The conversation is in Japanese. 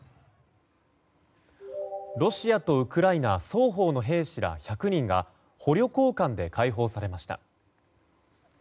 ロシアとウクライナ双方の兵士ら１００人が捕虜交換で解放されました。